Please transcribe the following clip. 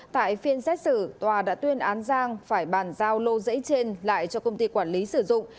tại phiên xét xử tòa đã tuyên án giang phải bàn giao lô giấy trên lại cho công ty quản lý sử dụng